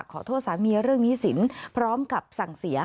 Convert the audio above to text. ขอโทษสามีเรื่องหนี้สินพร้อมกับสั่งเสีย